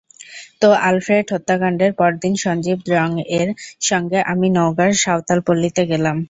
তো, আলফ্রেড হত্যাকাণ্ডের পরদিন সঞ্জীব দ্রংয়ের সঙ্গে আমি নওগাঁর সাঁওতালপল্লিতে গেলাম।